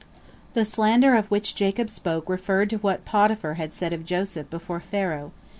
" The slander of which Jacob spoke referred to what Potiphar had said of Joseph before Pharaoh.